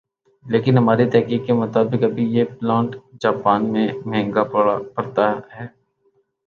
لیکن ہماری تحقیق کے مطابق ابھی یہ پلانٹ جاپان میں مہنگا پڑتا ھے